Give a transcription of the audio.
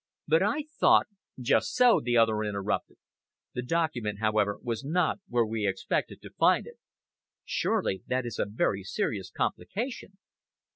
"But I thought " "Just so," the other interrupted. "The document, however, was not where we expected to find it." "Surely that is a very serious complication?"